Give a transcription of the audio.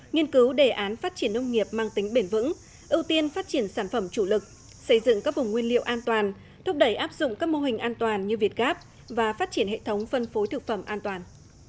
nghiên cứu đề án phát triển nông nghiệp mang tính bền vững ưu tiên phát triển sản phẩm chủ lực xây dựng các vùng nguyên liệu an toàn thúc đẩy áp dụng các mô hình an toàn như việt gáp và phát triển hệ thống phân phối thực phẩm an toàn